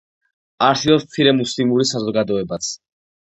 არსებობს მცირე მუსლიმური საზოგადოებაც.